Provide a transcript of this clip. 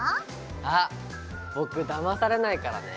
あっ僕だまされないからね。